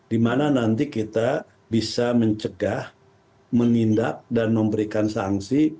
dimana nanti kita bisa mencegah menindak dan memberikan sanksi